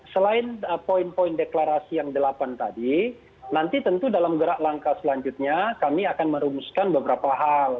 selain poin poin deklarasi yang delapan tadi nanti tentu dalam gerak langkah selanjutnya kami akan merumuskan beberapa hal